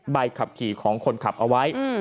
ใบขับขี่ของคนขับเอาไว้